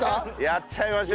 やっちゃいましょう。